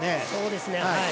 そうですね。